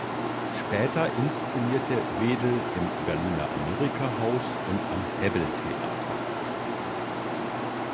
Später inszenierte Wedel im Berliner Amerika-Haus und am Hebbeltheater.